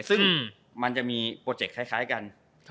ซึ่งมันจะมีโปรเจกต์คล้ายกัน